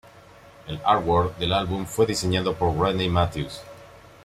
El "artwork" del álbum fue diseñado por Rodney Matthews.